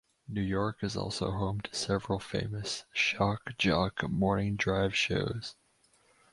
New York is also home to several famous "shock jock" morning drive shows.